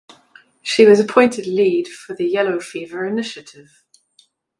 She was appointed lead for the Yellow Fever Initiative.